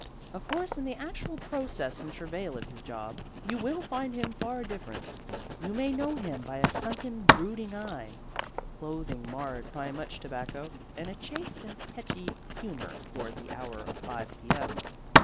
Of course in the actual process and travail of his job you will find him far different. You may know him by a sunken, brooding eye; clothing marred by much tobacco, and a chafed and tetchy humour toward the hour of five P. M.